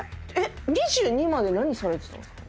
２２まで何されてたんですか？